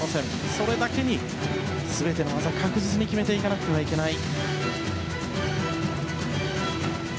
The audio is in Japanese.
それだけに全ての技、確実に決めていかなくてはいけない。